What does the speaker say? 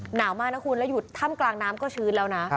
หนาวมากนะคุณแล้วอยู่ถ้ำกลางน้ำก็ชื้นแล้วนะ